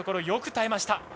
よく耐えました。